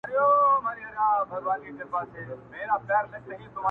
• دا سپك هنر نه دى چي څوك يې پــټ كړي.